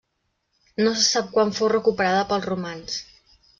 No se sap quan fou recuperada pels romans.